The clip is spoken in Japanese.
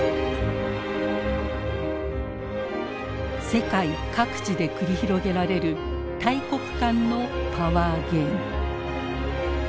世界各地で繰り広げられる大国間のパワーゲーム。